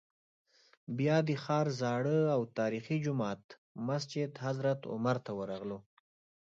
بیا د ښار زاړه او تاریخي جومات مسجد حضرت عمر ته ورغلو.